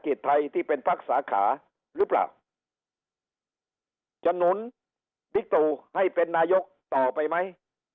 ไทยที่เป็นพักสาขาหรือเปล่าจะหนุนบิ๊กตู่ให้เป็นนายกต่อไปไหม